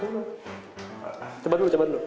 yang terakhir adalah pertanyaan dari anak muda